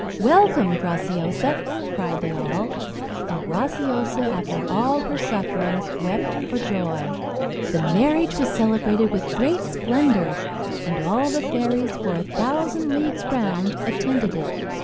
"Welcome, Graciosa!" cried they all; and Graciosa, after all her sufferings, wept for joy. The marriage was celebrated with great splendour; and all the fairies, for a thousand leagues round, attended it.